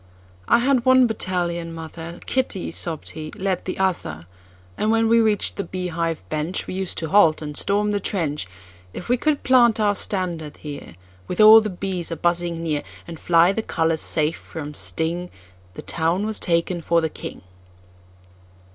"I head one battalion, mother—Kitty," sobbed he, "led the other! And when we reach'd the bee hive benchWe used to halt and storm the trench:If we could plant our standard here, With all the bees a buzzing near, And fly the colors safe from sting, The town was taken for the king!"